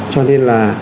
cho nên là